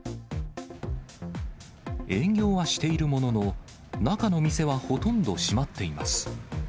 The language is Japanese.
営業はしているものの、中の店はほとんど閉まっています。